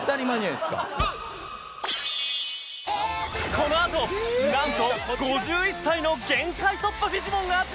このあとなんと５１歳の限界突破フィジモンが登場！